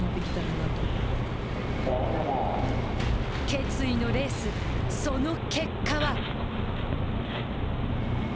決意のレースその結果は。